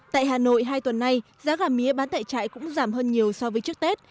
tại hà nội hai tuần nay giá gà mía bán tại trại cũng giảm hơn nhiều so với trước tết